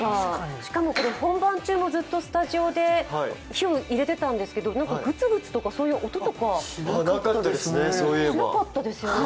しかも本番中もずっとスタジオで火を入れていたんですけどぐつぐつとか、そういう音とかしなかったですよね。